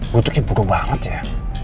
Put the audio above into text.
gue tuh kayak buruk banget ya